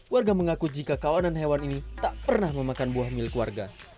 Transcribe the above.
warga mengaku jika kawanan hewan ini tak pernah memakan buah milik warga